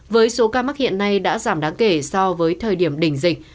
với số ca mắc hiện nay đã giảm đáng kể so với thời điểm đỉnh dịch